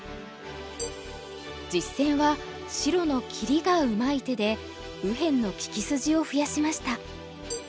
実戦は白の切りがうまい手で右辺の利き筋を増やしました。